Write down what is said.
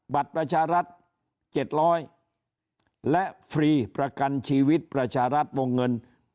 บัตรประชารัฐ๗๐๐และฟรีประกันชีวิตประชารัฐวงเงิน